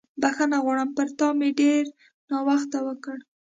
بښنه غواړم، پر تا مې ډېر ناوخته وکړ.